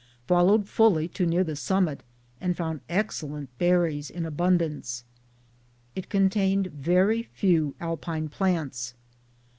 Followed fully to near the summit and found excellent berries in abundance. It contained very few Alpine plants.